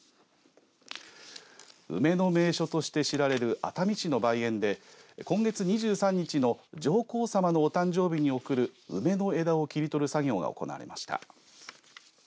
梅の名所として知られる熱海市の梅園で今月２３日の上皇さまのお誕生日に贈る梅の枝を切り取る作業が行われました。